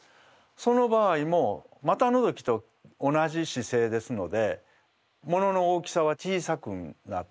その場合も股のぞきと同じ姿勢ですのでものの大きさは小さくなって奥行き感も縮むと思います。